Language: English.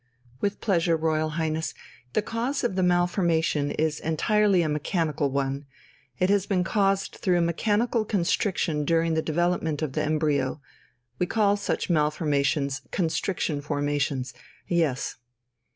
"With pleasure, Royal Highness. The cause of the malformation is entirely a mechanical one. It has been caused through a mechanical constriction during the development of the embryo. We call such malformations constriction formations, yes."